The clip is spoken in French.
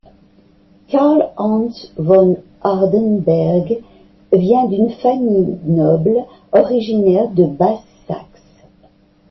Carl-Hans von Hardenberg vient d'une famille noble originaire de Basse-Saxe.